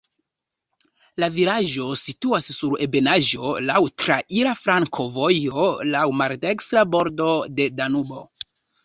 La vilaĝo situas sur ebenaĵo, laŭ traira flankovojo, laŭ maldekstra bordo de Danubo.